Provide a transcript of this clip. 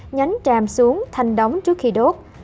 nhánh tràm xuống và đưa ra một tấm thảm trò tàn của lá và nhánh tràm